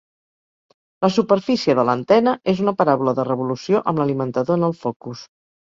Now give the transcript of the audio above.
La superfície de l'antena és una paràbola de revolució amb l'alimentador en el focus.